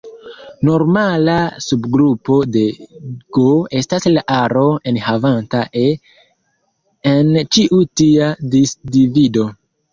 Normala subgrupo de "G" estas la aro enhavanta "e" en ĉiu tia disdivido.